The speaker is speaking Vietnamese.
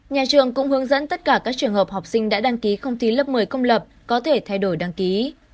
nhà trường cũng hướng dẫn tất cả các trường hợp học sinh đã đăng ký không thi lớp một mươi công lập có thể thay đổi đăng ký